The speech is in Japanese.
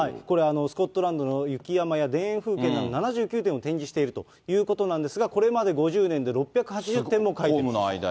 これ、スコットランドの雪山や田園風景など７９点を展示しているということなんですがこれまで５０年で６８０点も描いています。